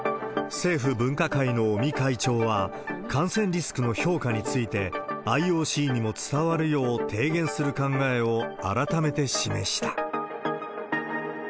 政府分科会の尾身会長は感染リスクの評価について、ＩＯＣにも伝わるよう提言する考えを改めて示した。